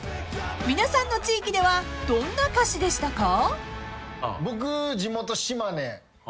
［皆さんの地域ではどんな歌詞でしたか？］